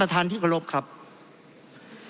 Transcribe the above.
เพราะเรามี๕ชั่วโมงครับท่านนึง